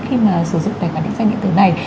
khi mà sử dụng tài khoản định danh điện tử này